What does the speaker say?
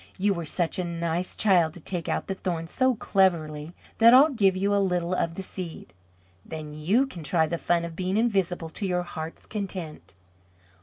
You were such a nice child to take out the thorn so cleverly, that I'll give you a little of the seed. Then you can try the fun of being invisible, to your heart's content."